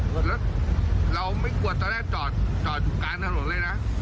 ครับแล้วเราไม่กลัวตอนแรกจอดการถนนเลยนะ